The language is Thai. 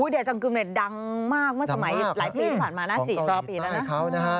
แด่จังกึมเนี่ยดังมากเมื่อสมัยหลายปีผ่านมานะ๔ปีแล้วนะ